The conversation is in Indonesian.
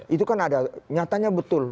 itu kan ada nyatanya betul